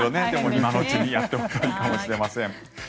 今のうちにやっておいたほうがいいかもしれません。